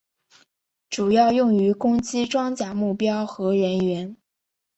主要用于攻击装甲目标和人员。